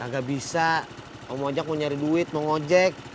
gak bisa om ojak mau nyari duit mau ngojek